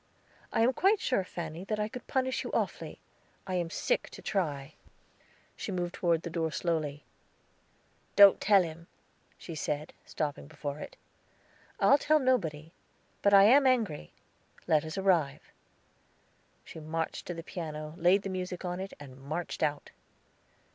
"I am quite sure, Fanny, that I could punish you awfully. I am sick to try." She moved toward the door slowly. "Don't tell him," she said, stopping before it. "I'll tell nobody, but I am angry. Let us arrive." She marched to the piano, laid the music on it, and marched out.